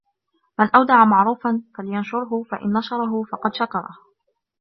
مَنْ أَوْدَعَ مَعْرُوفًا فَلْيَنْشُرْهُ فَإِنْ نَشَرَهُ فَقَدْ شَكَرَهُ